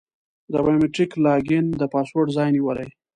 د بایو میتریک لاګین د پاسورډ ځای نیولی.